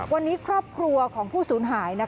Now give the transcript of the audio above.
วันนี้ครอบครัวของผู้สูญหาย